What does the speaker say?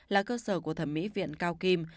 là cơ sở của thẩm mỹ viện cao kim